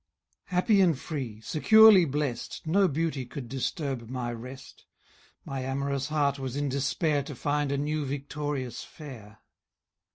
Happy and free, securely blest, No beauty could disturb my rest; My amorous heart was in despair To find a new victorious fair: II.